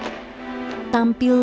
aku akan menunjukkan bahwa aku pasti bisa